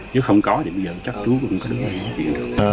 chứ không có thì bây giờ chắc chú cũng không có điều gì được